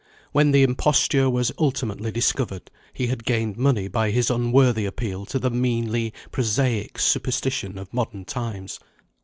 When the imposture was ultimately discovered, he had gained money by his unworthy appeal to the meanly prosaic superstition of modern times.